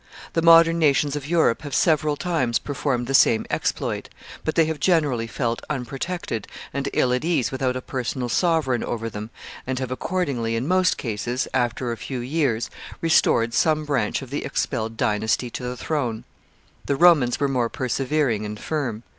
The modern nations of Europe have several times performed the same exploit, but they have generally felt unprotected and ill at ease without a personal sovereign over them and have accordingly, in most cases, after a few years, restored some branch of the expelled dynasty to the throne The Romans were more persevering and firm.